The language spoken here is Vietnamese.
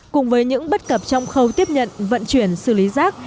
cùng với những bất cập trong khâu tiếp nhận vận chuyển xử lý rác